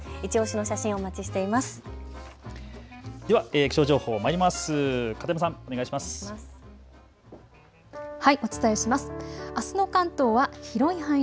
いちオシの写真お待ちしています。